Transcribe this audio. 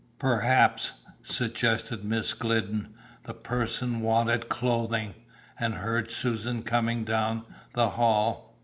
"Perhaps," suggested Miss Glidden, "the person wanted clothing, and heard Susan coming down the hall."